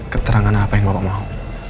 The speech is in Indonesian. keterangan apa yang bapak mau